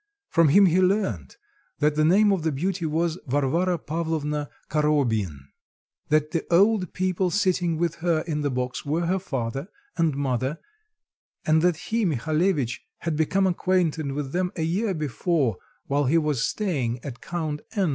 From him he learnt that the name of the beauty was Varvara Pavlovna Korobyin; that the old people sitting with her in the box were her father and mother; and that he, Mihalevitch, had become acquainted with them a year before, while he was staying at Count N.